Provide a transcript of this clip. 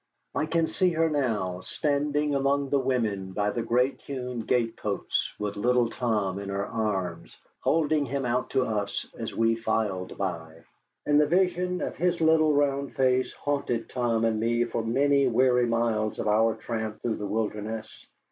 I can see her now, standing among the women by the great hewn gateposts, with little Tom in her arms, holding him out to us as we filed by. And the vision of his little, round face haunted Tom and me for many weary miles of our tramp through the wilderness.